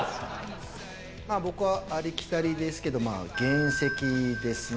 僕はありきたりですけれど原石ですね。